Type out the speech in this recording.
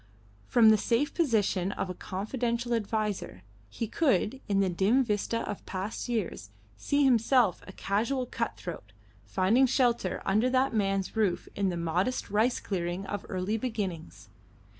From the safe position of a confidential adviser, he could, in the dim vista of past years, see himself a casual cut throat finding shelter under that man's roof in the modest rice clearing of early beginnings.